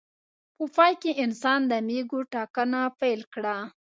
په پای کې انسان د مېږو ټاکنه پیل کړه.